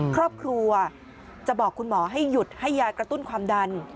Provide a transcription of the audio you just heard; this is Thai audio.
ครอบครัวจะบอกคุณหมอให้หยุดให้ยากระตุ้นความดัน